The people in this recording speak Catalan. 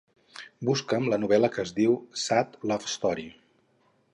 Busca"m la novel·la que es diu Sad Love Story.